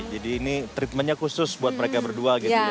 jadi ini treatmentnya khusus buat mereka berdua gitu ya